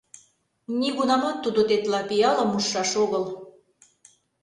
Нигунамат тудо тетла пиалым ужшаш огыл.